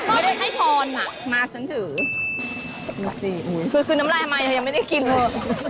พ่อไม่ได้ให้ทอนอะมาฉันถือคือน้ำลายมายังไม่ได้กินเลย